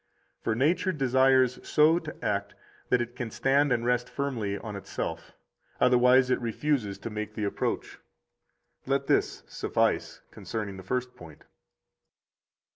For nature desires so to act that it can stand and rest firmly on itself, otherwise it refuses to make the approach. Let this suffice concerning the first point.